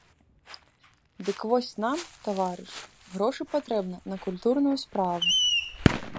Дык вось нам, таварыш, грошы патрэбны на культурную справу.